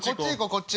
こっち。